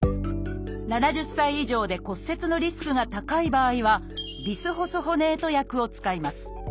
７０歳以上で骨折のリスクが高い場合は「ビスホスホネート薬」を使います。